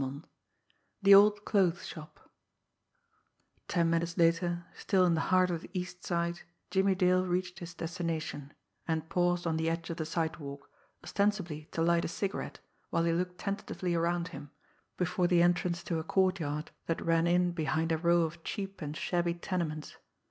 CHAPTER XX THE OLD CLOTHES SHOP Ten minutes later, still in the heart of the East Side, Jimmie Dale reached his destination, and paused on the edge of the sidewalk, ostensibly to light a cigarette while he looked tentatively around him, before the entrance to a courtyard that ran in behind a row of cheap and shabby tenements.